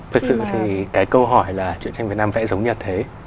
thực sự thì cái câu hỏi là chuyện tranh việt nam vẽ giống như thế